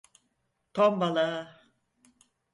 Tombala!